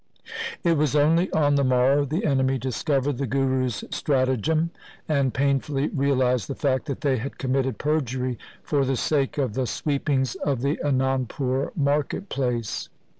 It was only on the morrow the enemy discovered the Guru's strata LIFE OF GURU GOBIND SINGH 179 gem, and painfully realized the fact that they had committed perjury for the sake of the sweepings of the Anandpur market place